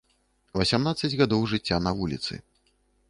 Васямнаццаць гадоў жыцця на вуліцы.